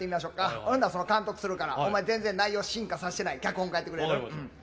ほんなら、その監督するからお前、全然内容進化させてない脚本家やってくれる？